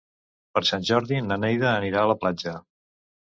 Per Sant Jordi na Neida anirà a la platja.